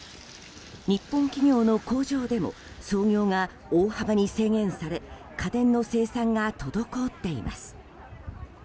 日本企業の工場でも操業が大幅に制限され家電の生産が滞っています。